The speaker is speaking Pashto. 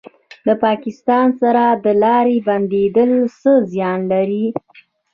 د پاکستان سره د لارې بندیدل څه زیان لري؟